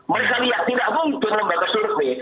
mereka lihat tidak mungkin lembaga survei